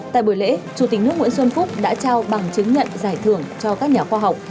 tại buổi lễ chủ tịch nước nguyễn xuân phúc đã trao bằng chứng nhận giải thưởng cho các nhà khoa học